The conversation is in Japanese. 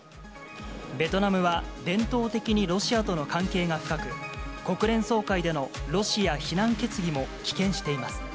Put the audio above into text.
ベトナムは、伝統的にロシアとの関係が深く、国連総会でのロシア非難決議も棄権しています。